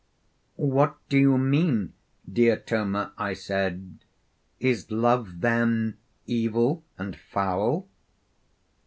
'What do you mean, Diotima,' I said, 'is love then evil and foul?'